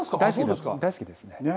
大好きです。